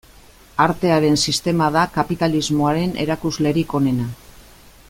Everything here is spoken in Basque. Artearen sistema da kapitalismoaren erakuslerik onena.